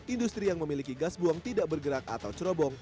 industri yang memiliki gas buang tidak bergerak atau cerobong